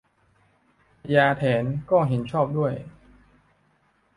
พญาแถนก็เห็นชอบด้วย